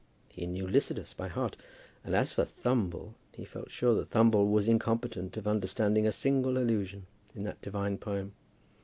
He knew "Lycidas" by heart; and as for Thumble, he felt quite sure that Thumble was incompetent of understanding a single allusion in that divine poem.